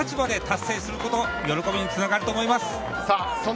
それぞれの立場で達成することが喜びにつながると思います。